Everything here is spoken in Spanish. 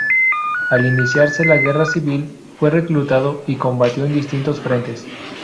Al iniciarse la Guerra Civil, fue reclutado y combatió en distintos frentes.